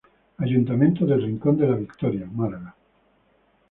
Ayuntamiento del Rincón de la Victoria- Málaga.